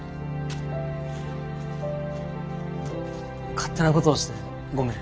勝手なことをしてごめん。